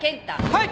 はい！